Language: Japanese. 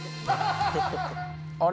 あれ？